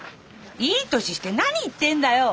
いい年して何言ってんだよ。